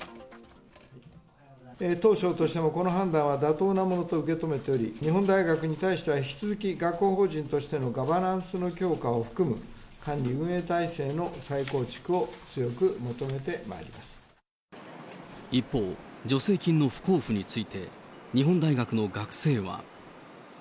当省としましても妥当なものと受け止めており、日本大学に対しては、引き続き学校法人としてのガバナンスの強化を含む管理・運営体制一方、助成金の不交付について、日本大学の学生は。